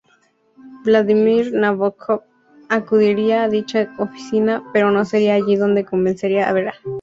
Vladímir Nabókov acudiría a dicha oficina, pero no sería allí donde conocería a Vera.